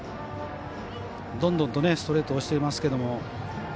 どんどんとストレートで押していますけども。